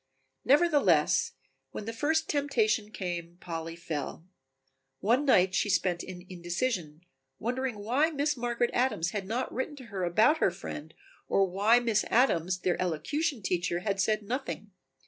Nevertheless, when the first temptation came Polly fell. One night she spent in indecision, wondering why Miss Margaret Adams had not written to her about her friend or why Miss Adams, their elocution teacher, had said nothing.